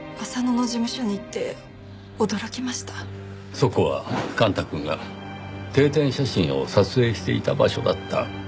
そこは幹太くんが定点写真を撮影していた場所だった。